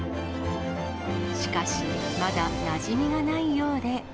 しかし、まだなじみがないようで。